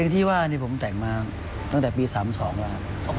ที่ว่านี่ผมแต่งมาตั้งแต่ปี๓๒แล้วครับ